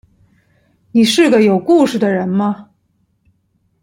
你是個有故事的人嗎